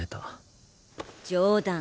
冗談。